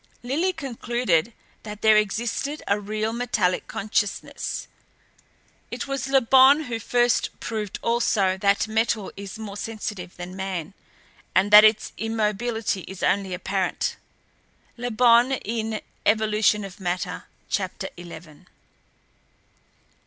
"Lillie concluded that there existed a real metallic consciousness. It was Le Bon who first proved also that metal is more sensitive than man, and that its immobility is only apparent. (Le Bon in 'Evolution of Matter,' Chapter eleven.)